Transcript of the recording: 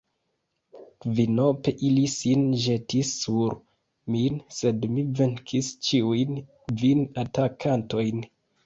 Kvinope ili sin ĵetis sur min, sed mi venkis ĉiujn kvin atakantojn.